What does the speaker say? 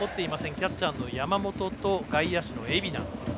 キャッチャーの山本と外野手の蝦名。